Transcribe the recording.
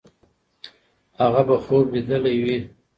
هغه به خوب لیدلی وي.